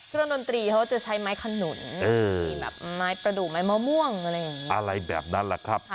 เครื่องดนตรีเขาจะใช้ไม้ขนุนไม้ประดูกไม้มะม่วงอะไรแบบนั้นแหละครับ